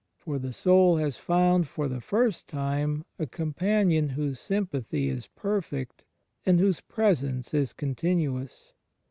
For the soul has found for the first time a companion whose sympathy is perfect and whose Presence is continuous.